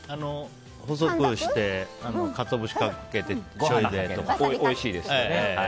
細くしてカツオ節かけてしょうゆでとかおいしいですよね。